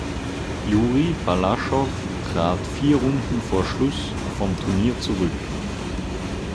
Juri Balaschow trat vier Runden vor Schluss vom Turnier zurück.